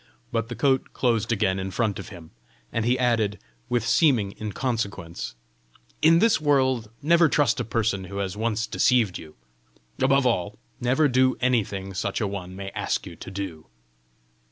But the coat closed again in front of him, and he added, with seeming inconsequence, "In this world never trust a person who has once deceived you. Above all, never do anything such a one may ask you to do."